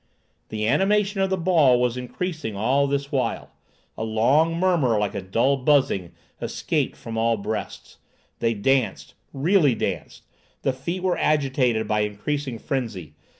The animation of the ball was increasing all this while. A long murmur, like a dull buzzing, escaped from all breasts. They danced—really danced. The feet were agitated by increasing frenzy.